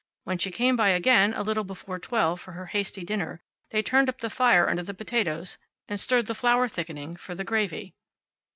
When she came by again, a little before twelve, for her hasty dinner, they turned up the fire under the potatoes and stirred the flour thickening for the gravy.